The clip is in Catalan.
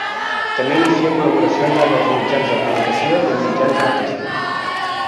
També inicia col·laboracions en els mitjans de comunicació i en mitjans artístics.